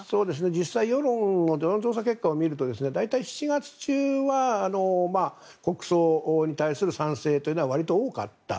実際世論調査結果を見ると大体７月中は国葬に対する賛成というのは割と多かった。